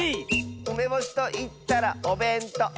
「うめぼしといったらおべんとう！」